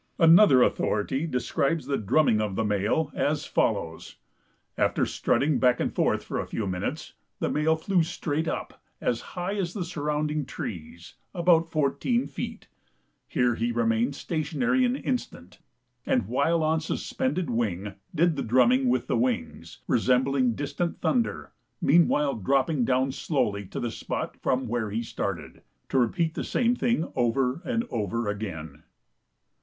Another authority describes the drumming of the male as follows, "After strutting back and forth for a few minutes, the male flew straight up, as high as the surrounding trees, about fourteen feet; here he remained stationary an instant, and while on suspended wing did the drumming with the wings, resembling distant thunder, meanwhile dropping down slowly to the spot from where he started, to repeat the same thing over and over again."